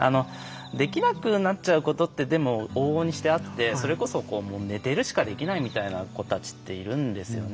できなくなっちゃうことってでも往々にしてあってそれこそ寝てるしかできないみたいな子たちっているんですよね。